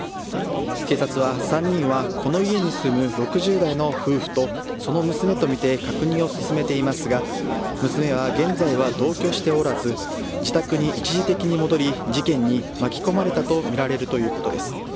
警察は、３人はこの家に住む６０代の夫婦とその娘とみて確認を進めていますが娘は現在は同居しておらず自宅に一時的に戻り事件に巻き込まれたとみられるということです。